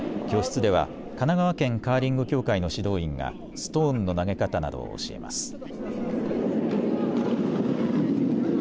教室では神奈川県カーリング協会の指導員がストーンの投げ方などを教えます。